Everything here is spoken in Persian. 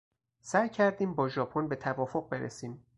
سعی کردیم با ژاپن به توافق برسیم.